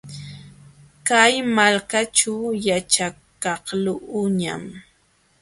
Kay malkaćhu yaćhakaqluuñam.